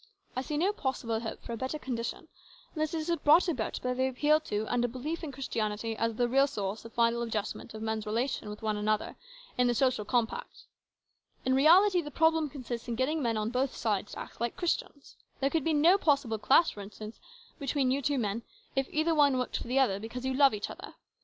I see no possible hope for a better condition unless it is brought about by the appeal to and a belief in Christianity as the real source of final adjustment of men's relation with one another in the social compact. In reality the problem consists in getting men on both sides to act like Christians. There could be no possible clash, for instance, between you two men, if either one worked for the other, because you love each other.